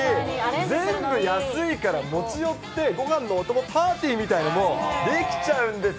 全部安いから持ち寄って、ごはんのお供パーティーみたいなのもできちゃうんですよ。